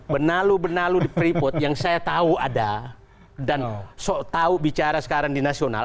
benalu benalu di freeport yang saya tahu ada dan tahu bicara sekarang di nasional